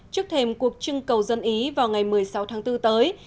trước thêm cuộc trưng cầu dân ý vào ngày một mươi sáu tháng bốn tới